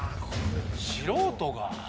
素人が。